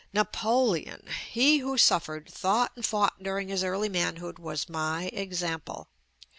Napoleon! He who suf fered, thought and fought during his early manhood was my example.